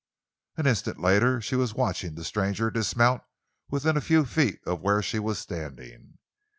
An instant later she was watching the stranger dismount within a few feet of where she was standing.